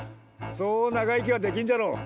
そう長生きはできんじゃろう。